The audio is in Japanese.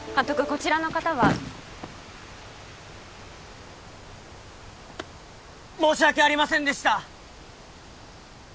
こちらの方は申し訳ありませんでした！